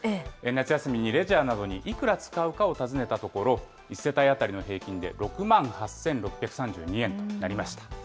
夏休みにレジャーなどにいくら使うかを尋ねたところ、１世帯当たりの平均で６万８６３２円となりました。